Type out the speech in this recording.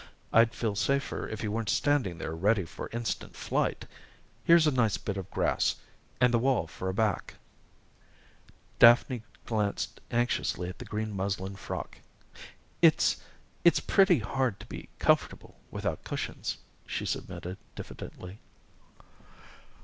I'd feel safer if you weren't standing there ready for instant flight! Here's a nice bit of grass and the wall for a back " Daphne glanced anxiously at the green muslin frock. "It's it's pretty hard to be comfortable without cushions," she submitted diffidently.